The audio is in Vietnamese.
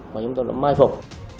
và chúng tôi đã may phục